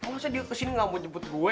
masa dia kesini nggak mau jemput gue